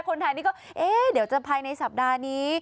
คนไทยนี่ก็เอ๊ะเดี๋ยวจะภายในสัปดาห์นี้